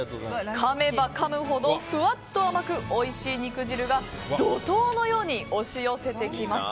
かめばかむほど、ふわっと甘くおいしい肉汁が怒涛のように押し寄せてきます。